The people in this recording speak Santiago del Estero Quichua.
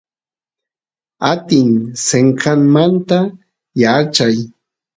atin senqanmanta yaarchay